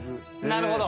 なるほど。